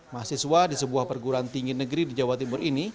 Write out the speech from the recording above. mahasiswa di sebuah perguruan tinggi negeri di jawa timur ini